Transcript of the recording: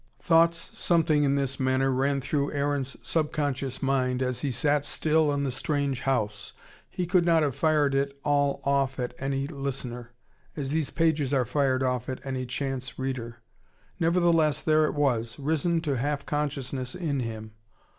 Thoughts something in this manner ran through Aaron's subconscious mind as he sat still in the strange house. He could not have fired it all off at any listener, as these pages are fired off at any chance reader. Nevertheless there it was, risen to half consciousness in him.